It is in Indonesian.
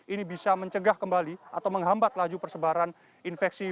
ini bisa mencegah kembali atau menghambat laju persebaran infeksi